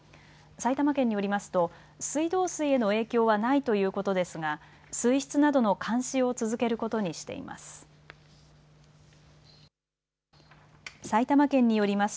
埼玉県によりますと水道水への影響はないということですが、水質などの監視を続けることにしています。